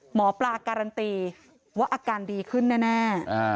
หมอปลาการันตีว่าอาการดีขึ้นแน่